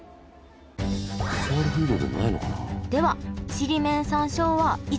ソウルフードじゃないのかなあ。